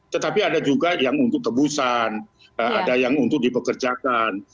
tetapi ada juga yang untuk tebusan ada yang untuk dipekerjakan